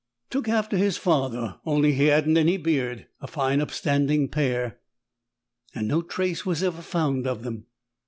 "Took after his father, only he hadn't any beard; a fine upstanding pair." "And no trace was ever found of them?"